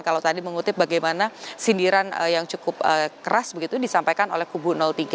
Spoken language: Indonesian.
kalau tadi mengutip bagaimana sindiran yang cukup keras begitu disampaikan oleh kubu tiga